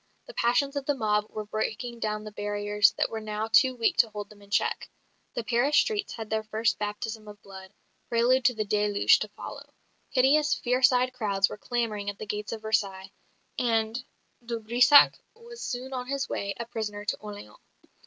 The passions of the mob were breaking down the barriers that were now too weak to hold them in check; the Paris streets had their first baptism of blood, prelude to the deluge to follow; hideous, fierce eyed crowds were clamouring at the gates of Versailles; and de Brissac was soon on his way, a prisoner, to Orleans.